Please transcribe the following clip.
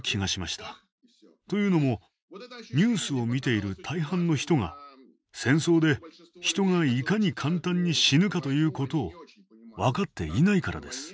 というのもニュースを見ている大半の人が戦争で人がいかに簡単に死ぬかということを分かっていないからです。